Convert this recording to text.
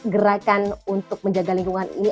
gerakan untuk menjaga lingkungan ini